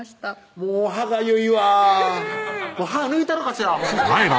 もう歯がゆいわ歯抜いたろかしらほんま